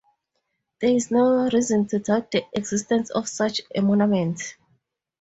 There is no reason to doubt the existence of such a monument.